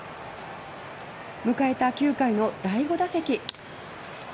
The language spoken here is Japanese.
迎えた９回の第５打席。